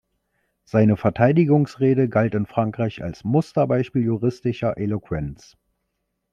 Seine Verteidigungsrede galt in Frankreich als Musterbeispiel juristischer Eloquenz.